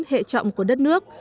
hệ trọng của đất nước